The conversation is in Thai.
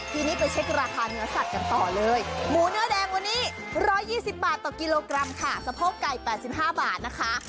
ทีนี้ไปเช็คราคาเนื้อสัตว์กันต่อเลยหมูเนื้อแดงวันนี้๑๒๐บาทต่อกิโลกรัมค่ะสะโพกไก่๘๕บาทนะคะ